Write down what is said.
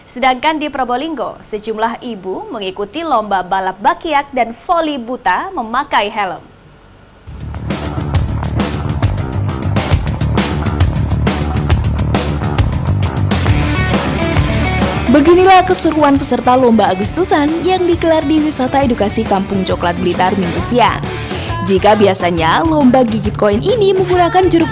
sedangkan di probolinggo sejumlah ibu mengikuti lomba balap bakiak